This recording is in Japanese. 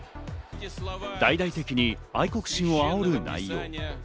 大々的に愛国心をあおる内容。